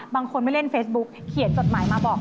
บางคนไม่เล่นเฟซบุ๊กเขียนจดหมายมาบอก